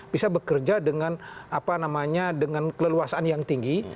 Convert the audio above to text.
bisa bekerja dengan apa namanya dengan keleluasan yang tinggi